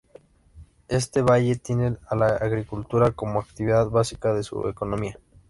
Este valle tiene a la agricultura como actividad básica de su economía.